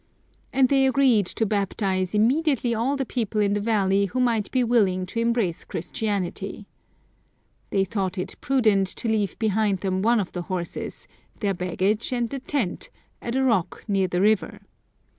And they agreed to baptize immediately all the people in the valley who might be willing to embrace Christianity. They thought it prudent to leave behind them one of their horses, their baggage and the tent, at a rock near the river.